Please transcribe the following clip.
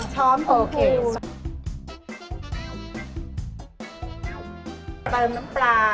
๒ช้อมส้มพูด